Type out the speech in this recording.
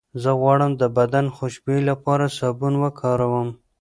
زه غواړم د بدن خوشبویۍ لپاره سابون وکاروم.